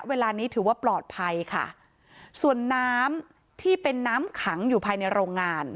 เวลานี้ถือว่าปลอดภัยค่ะส่วนน้ำที่เป็นน้ำขังอยู่ภายในโรงงาน